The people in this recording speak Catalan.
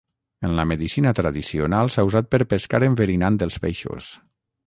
En la medicina tradicional s'ha usat per pescar enverinant els peixos.